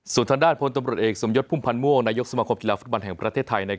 ส่วนทางด้านพลตำรวจเอกสมยศพุ่มพันธ์ม่วงนายกสมาคมกีฬาฟุตบอลแห่งประเทศไทย